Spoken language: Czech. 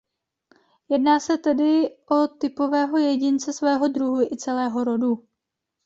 Jedná se tedy o typového jedince svého druhu i celého rodu.